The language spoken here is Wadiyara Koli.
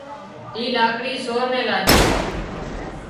اي لاڪڙي سور نين لاڄي